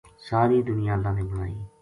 ساری دنیا اللہ نے بنائی